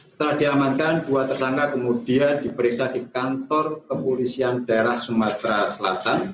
setelah diamankan dua tersangka kemudian diperiksa di kantor kepolisian daerah sumatera selatan